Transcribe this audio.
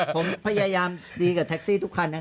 ผมพยายามดีกับแท็กซี่ทุกคันนะ